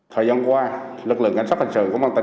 tội phạm đánh bạc đã diễn biến phức tạp